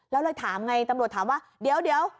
แล้วเลยถามไงตำรวจถามว่าเดี๋ยว